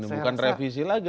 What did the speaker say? bukan revisi lagi